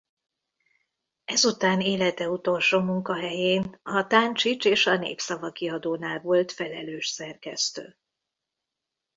Ezután élete utolsó munkahelyén a Táncsics és a Népszava Kiadónál volt felelős szerkesztő.